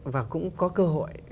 và cũng có cơ hội